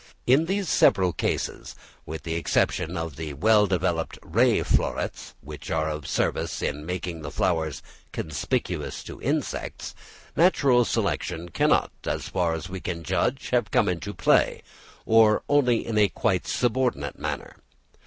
In these several cases, with the exception of that of the well developed ray florets, which are of service in making the flowers conspicuous to insects, natural selection cannot, as far as we can judge, have come into play, or only in a quite subordinate manner.